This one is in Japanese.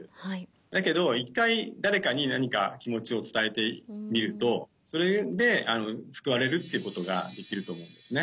だけど１回誰かに何か気持ちを伝えてみるとそれで救われるっていうことができると思うんですね。